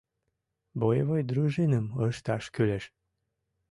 Боевой дружиным ышташ кӱлеш.